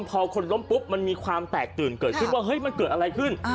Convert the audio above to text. พอคนล้มปุ๊บมันมีความแตกตื่นเกิดขึ้นว่าเฮ้ยมันเกิดอะไรขึ้น